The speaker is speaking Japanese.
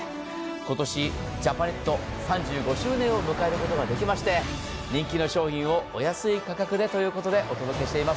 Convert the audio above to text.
今年ジャパネット３５周年を迎えることができまして人気の商品をお安い価格でということでお届けしてまいります。